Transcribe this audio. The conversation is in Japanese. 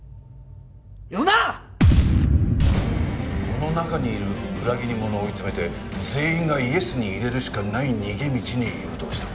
この中にいる裏切り者を追い詰めて全員がＹＥＳに入れるしかない逃げ道に誘導した。